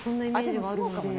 でもそうかもね。